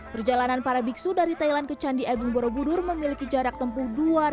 perjalanan para biksu dari thailand ke candi agung borobudur memiliki jarak tempuh